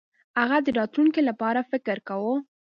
هغه د راتلونکي لپاره فکر کاوه.